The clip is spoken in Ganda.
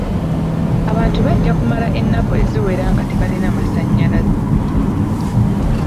Abantu bajja kumala ennaku eziwera nga tebalina masannyalaze.